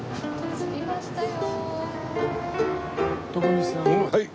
着きましたか。